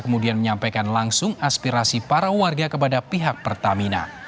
kemudian menyampaikan langsung aspirasi para warga kepada pihak pertamina